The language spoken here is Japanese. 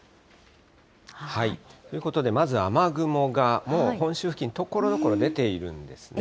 ということで、まず雨雲がもう本州付近、ところどころ出ているんですね。